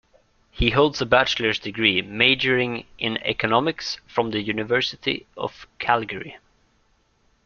He holds a bachelor's degree, majoring in economics, from the University of Calgary.